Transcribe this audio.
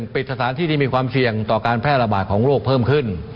ปิดสถานที่ที่มีความเสี่ยงต่อการแพร่ระบาดของโรคเพิ่มขึ้น